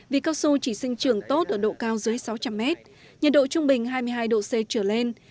vì cao su chỉ sinh trường tốt ở độ cao dưới sáu trăm linh mét nhiệt độ trung bình hai mươi hai độ c trở lên